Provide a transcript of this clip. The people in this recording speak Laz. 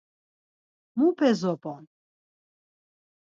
Mupe zop̌on?